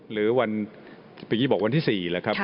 หรือวันพี่บอกวันที่๔ละครับ